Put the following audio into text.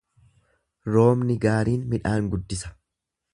Roobni gaariin midhaan guddisa.